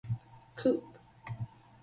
Coop.